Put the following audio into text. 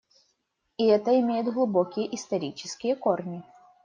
И это имеет глубокие исторические корни.